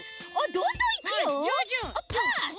どんどんいくよ。